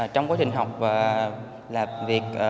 trong quá trình học và làm việc